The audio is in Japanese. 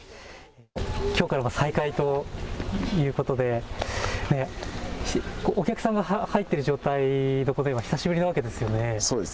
きょうから再開ということでお客さんが入っている状態のこの園は久しぶりなわけですよね。